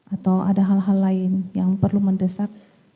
atau ada hal hal lain yang perlu mendesak